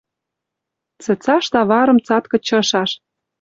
Цецаш таварым цат кычышаш